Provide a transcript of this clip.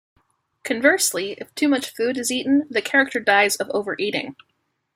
Conversely, if too much food is eaten, the character dies of overeating.